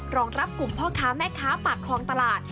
รองรับกลุ่มพ่อค้าแม่ค้าปากคลองตลาด